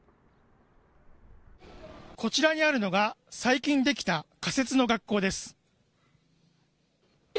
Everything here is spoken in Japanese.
こちらにあるのが最近出来た仮設の学校です。